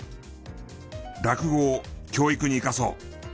落語を教育に生かそう！